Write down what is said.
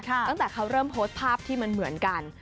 ตั้งแต่เขาเริ่มโพสต์ภาพที่มันเหมือนกัน